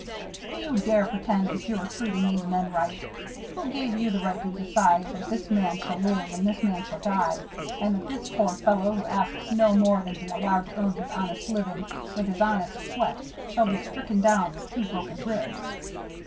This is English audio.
"Do you dare pretend that you are treating these men right? Who gave you the right to decide that this man shall live and this man shall die, and that this poor fellow who asks no more than to be allowed to earn his honest living with his honest sweat shall be stricken down with two broken ribs?"